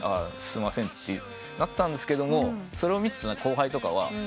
「すいません」ってなったんですけどそれを見てた後輩とかは「白井先輩